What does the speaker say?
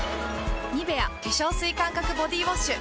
「ニベア」化粧水感覚ボディウォッシュ誕生！